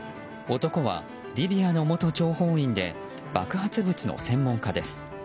男はリビアの元諜報員で爆発物の専門家です。